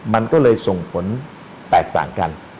มันก็เลยส่งผลแตกต่างกัน